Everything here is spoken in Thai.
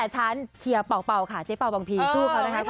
แต่ฉันเฉียบเป่าค่ะเจ๊เป่าบังพีสู้เขานะครับทุกคน